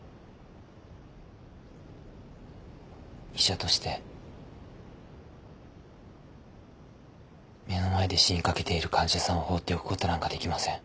医者として目の前で死にかけている患者さんをほうっておくことなんかできません。